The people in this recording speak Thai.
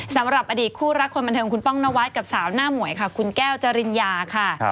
สำหรับอดีตคู่รักคนบันเทิงคุณป้องนวัดกับสาวหน้าหมวยค่ะคุณแก้วจริญญาค่ะ